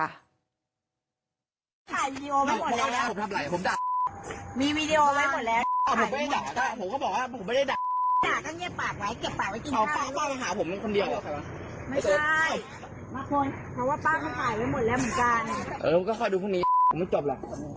ไม่ใช่มาคนเพราะว่าป้าเขาผ่ายเลยหมดแล้วเหมือนกัน